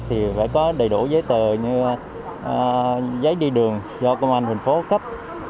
thì phải có đầy đủ giấy tờ như giấy đi đường do công an thành phố cấp